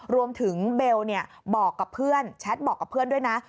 เบลบอกกับเพื่อนแชทบอกกับเพื่อนด้วยนะ